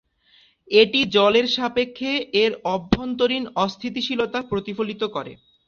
এটি জলের সাপেক্ষে এর অভ্যন্তরীণ অস্থিতিশীলতা প্রতিফলিত করে।